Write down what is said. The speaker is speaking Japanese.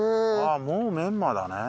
ああもうメンマだね。